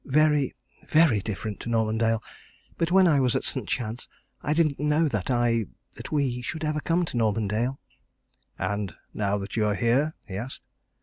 "Very very different to Normandale. But when I was at St. Chad's, I didn't know that I that we should ever come to Normandale." "And now that you are here?" he asked.